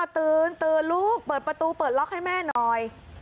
ตื่นลูกเปิดประตูเปิดล็อกให้แม่หน่อย